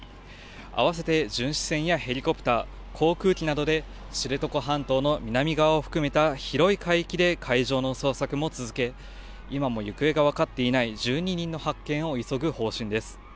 あわせて巡視船やヘリコプター、航空機などで知床半島の南側を含めた広い海域で海上の捜索も続け、今も行方が分かっていない１２人の発見を急ぐ方針です。